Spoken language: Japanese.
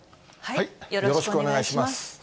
よろしくお願いします。